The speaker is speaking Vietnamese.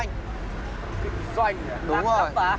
kinh doanh hả đa cấp hả